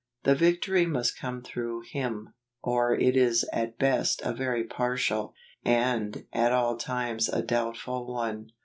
The victory must come through Him, or it is at best a very partial, and at all times a doubtful one.